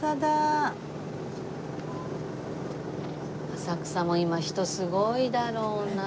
浅草も今人すごいだろうな。